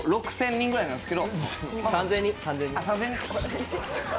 人ぐらいなんですけど３０００人、３０００人。